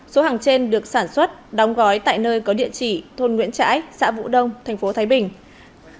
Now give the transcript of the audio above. số hàng trên được sản xuất đóng gói tại nơi có địa chỉ thôn nguyễn trãi xã vũ đông thành phố thái bình